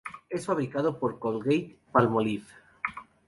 Es fabricado por Colgate-Palmolive.